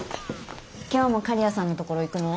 今日も刈谷さんのところ行くの？